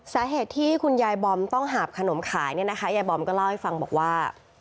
สาเหตุที่คุณยายบอมต้องหาบขนมขายเนี่ยนะคะยายบอมก็เล่าให้ฟังบอกว่า